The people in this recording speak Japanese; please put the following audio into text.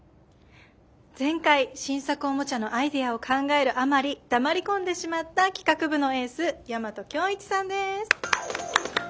前回新作おもちゃのアイデアを考えるあまり黙り込んでしまった企画部のエース大和響一さんです。